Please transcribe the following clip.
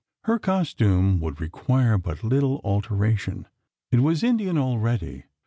Her costume would require but little alteration: it was Indian already.